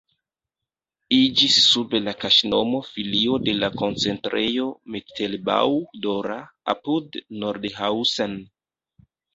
Iĝis sub la kaŝnomo filio de la koncentrejo Mittelbau-Dora apud Nordhausen.